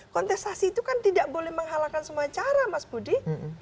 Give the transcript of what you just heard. kontestasi itu kan tidak boleh menghalalkan semua cara mas budi